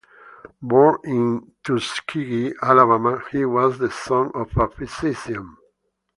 Born in Tuskegee, Alabama, he was the son of a physician.